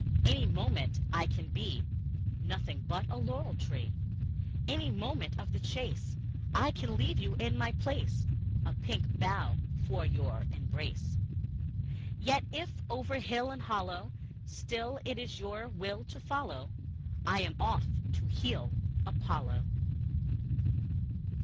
Any moment I can be Nothing but a laurel tree. Any moment of the chase I can leave you in my place A pink bough for your embrace. Yet if over hill and hollow Still it is your will to follow, I am off; to heel, Apollo!